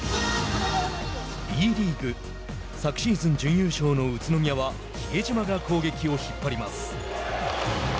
Ｂリーグ。昨シーズン準優勝の宇都宮は比江島が攻撃を引っ張ります。